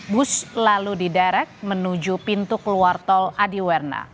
bus lalu diderek menuju pintu keluar tol adiwarna